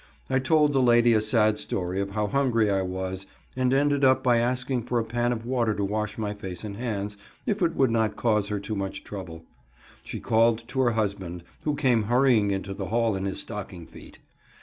I told the lady a sad story of how hungry I was, and ended up by asking for a pan of water to wash my face and hands, if it would not cause her too much trouble. She called to her husband, who came hurrying into the hall in his stocking feet.